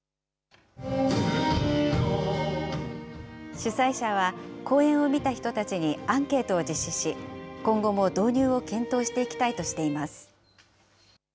主催者は、公演を見た人たちにアンケートを実施し、今後も導入を検討していきたいとしています。